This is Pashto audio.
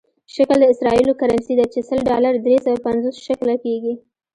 شکل د اسرائیلو کرنسي ده چې سل ډالره درې سوه پنځوس شکله کېږي.